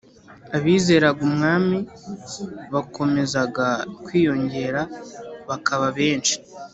abizeraga Umwami bakomezaga kwiyongera bakaba benshi